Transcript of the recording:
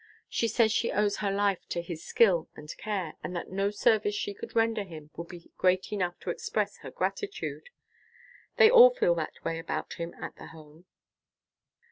She says she owes her own life to his skill and care, and that no service she could render him would be great enough to express her gratitude. They all feel that way about him at the Home."